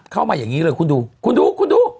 เข้ามาอย่างนี้เลยคุณดูคุณดูคุณดู